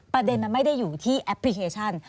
ประเด็นมันไม่ได้อยู่ที่แอปพลิเคชัน